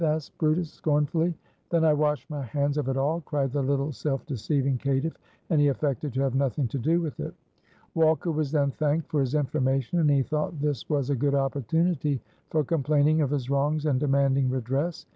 asked brutus, scornfully. "Then I wash my hands of it all," cried the little self deceiving caitiff; and he affected to have nothing to do with it. Walker was then thanked for his information, and he thought this was a good opportunity for complaining of his wrongs and demanding redress.